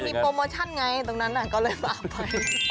มีโปรโมชั่นไงตรงนั้นก็เลยตามไป